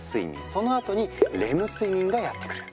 そのあとにレム睡眠がやって来る。